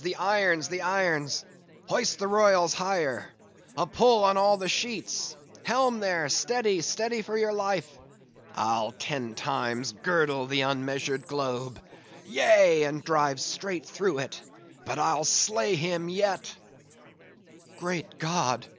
the irons, the irons!—hoist the royals higher—a pull on all the sheets!—helm there! steady, steady for your life! I'll ten times girdle the unmeasured globe; yea and dive straight through it, but I'll slay him yet!" "Great God!